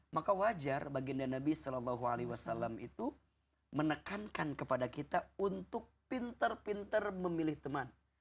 maka wajar baginda nabi saw itu menekankan kepada kita untuk pintar pintar memilih teman